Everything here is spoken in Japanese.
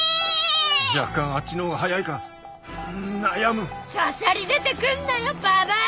若干あっちの方が早いかん悩むしゃしゃり出てくんなよババア！